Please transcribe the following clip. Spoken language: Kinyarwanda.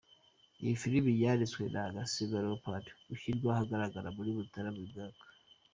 Iyi filime yanditswe na Gasigwa Leopord, ishyirwa ahagaragara muri Mutarama uyu mwaka.